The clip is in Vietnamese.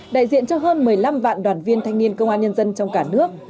đại diện cho hơn một mươi năm vạn đoàn viên thanh niên công an nhân dân trong cả nước